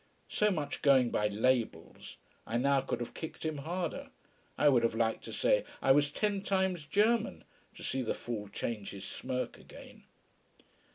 so much going by labels! I now could have kicked him harder. I would have liked to say I was ten times German, to see the fool change his smirk again.